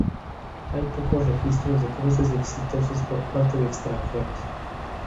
Hay pocos registros de cruces exitosos por parte de extranjeros.